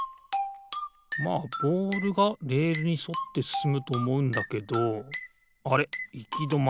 まあボールがレールにそってすすむとおもうんだけどあれっいきどまり。